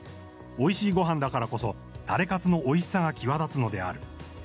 おいしいご飯だからこそタレかつのおいしさが際立つのである。